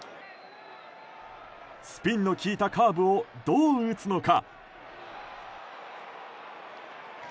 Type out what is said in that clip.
スピンの利いたカーブをどう打つのか。